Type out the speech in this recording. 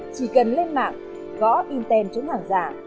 chỉ cần lên mạng gõ tem chống hàng giả